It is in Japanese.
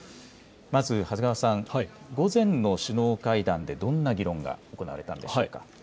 まず長谷川さん、午前の首脳会談でどんな議論が行われたんでしょうか。